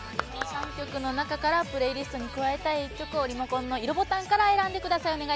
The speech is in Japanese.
⁉３曲の中からプレイリストに加えたい１曲をリモコンの色ボタンから選んでください。